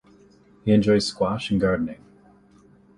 He enjoys squash and gardening.